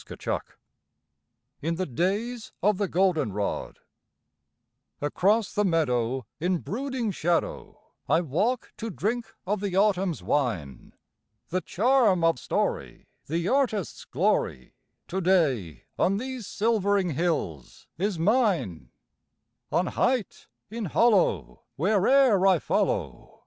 78 IN THE DAYS OF THE GOLDEN ROD Across the meadow in brooding shadow I walk to drink of the autumn's wine — The charm of story, the artist's glory, To day on these silvering hills is mine; On height, in hollow, where'er I follow.